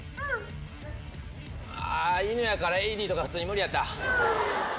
ああ犬やからＡＥＤとか普通に無理やった。